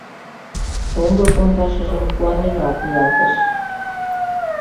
— Шоҥго пондашыжым куаненрак ниялтыш.